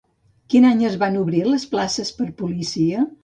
Quin any es van obrir les places per policia?